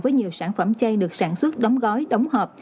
với nhiều sản phẩm chay được sản xuất đóng gói đóng hợp